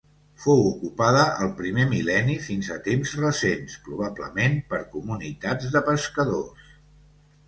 Fou ocupada al primer mil·lenni fins a temps recents, probablement per comunitats de pescadors.